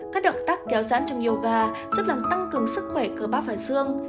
các động tác kéo dãn trong yoga giúp làm tăng cường sức khỏe cơ bắp và xương